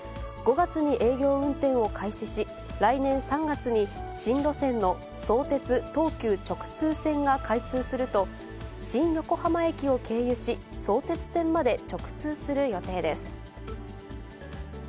５月に営業運転を開始し、来年３月に新路線の相鉄・東急直通線が開通すると、新横浜駅を経由し、相鉄線まで直通する予定です。